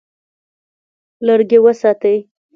لرګي وساتئ.